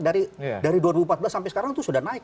dari dua ribu empat belas sampai sekarang itu sudah naik